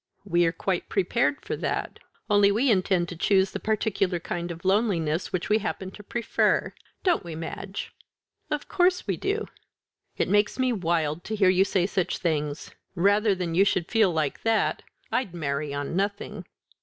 We are quite prepared for that. Only we intend to choose the particular kind of loneliness which we happen to prefer don't we, Madge?" "Of course we do." "It makes me wild to hear you say such things. Rather than you should feel like that, I'd marry on nothing."